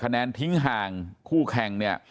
แนนทิ้งห่างคู่แข่งเนี่ย